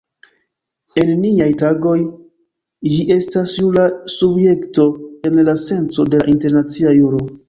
En niaj tagoj ĝi estas jura subjekto en la senco de la internacia juro.